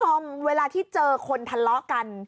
ชอบเวลาที่เจอคนทะเลาะกัน